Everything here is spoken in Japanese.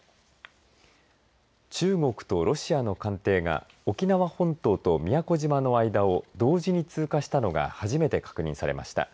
中国とロシアの艦艇が沖縄本島と宮古島の間を同時に通過したのが初めて確認されました。